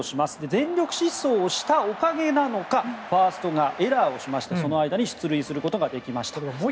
全力疾走したおかげなのかファーストがエラーをしましてその間に出塁できました。